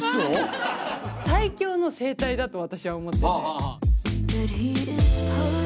最強の整体だと私は思ってて。